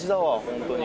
本当に」